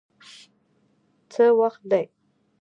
څه وخت دی؟